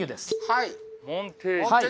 はい。